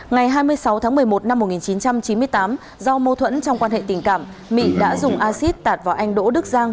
ngày hai mươi sáu tháng một mươi một năm một nghìn chín trăm chín mươi tám do mâu thuẫn trong quan hệ tình cảm mỹ đã dùng acid tạt vào anh đỗ đức giang